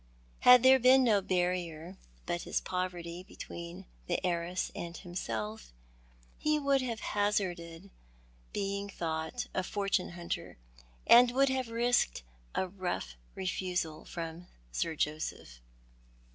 Had there been no barrier but his poverty between the heiress and himself, he w^ould have hazarded being thought a fortune hunter, and would have risked a rough refusal from Sir Joseph.